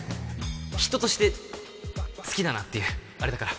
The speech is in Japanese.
人として好きだなっていうあれだから